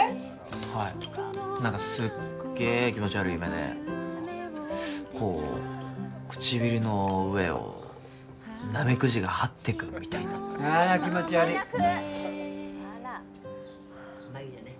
はい何かすっげえ気持ち悪い夢でこう唇の上をナメクジがはってくみたいなあら気持ち悪いまあいいやね